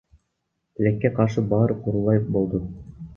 Тилекке каршы баары курулай болду.